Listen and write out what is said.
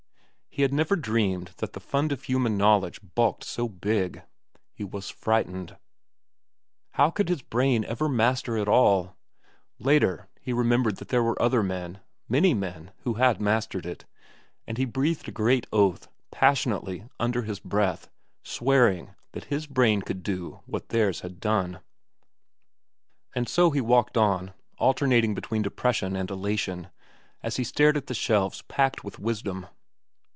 He had never dreamed that the fund of human knowledge bulked so big. He was frightened. How could his brain ever master it all? Later, he remembered that there were other men, many men, who had mastered it; and he breathed a great oath, passionately, under his breath, swearing that his brain could do what theirs had done. And so he wandered on, alternating between depression and elation as he stared at the shelves packed with wisdom.